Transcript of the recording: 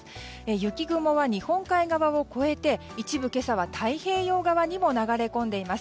雪雲は日本海側を越えて一部、今朝は太平洋側にも流れ込んでいます。